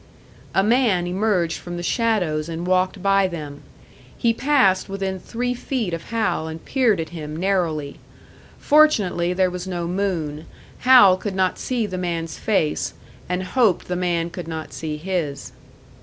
A man emerged from the shadows and walked by them. He passed within three feet of Hal, and peered at him, narrowly. Fortunately there was no moon; Hal could not see the man's face, and hoped the man could not see his.